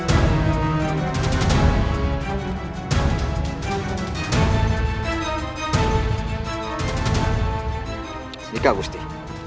sini kak gusti